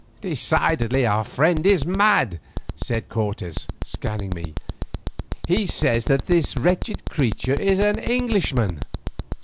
"Decidedly our friend is mad," said Cortes, scanning me; "he says that this wretched creature is an Englishman.